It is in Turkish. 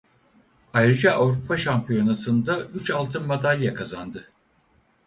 Ayrıca Avrupa şampiyonasında üç altın madalya kazandı.